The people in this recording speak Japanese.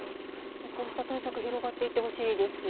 こうした対策、広がっていってほしいですよね。